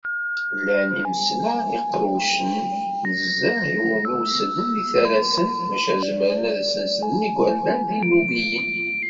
Llan imesla yeqqlewcen nezzeh iwumi ur sellen yiterrasen, maca zemren ad sen-slen yigerdan d yinubiyen.